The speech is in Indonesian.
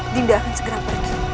dinda akan segera pergi